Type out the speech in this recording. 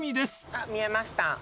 あっ見えました。